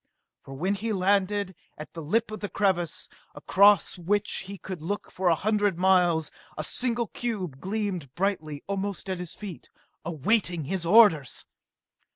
For when he landed at the lip of the crevasse, across which he could look for a hundred miles, a single cube gleamed brightly almost at his feet, awaiting his orders!